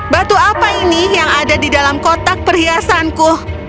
batu apa ini yang ada di dalam kotak perhiasanku